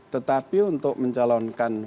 tetapi untuk mencalonkan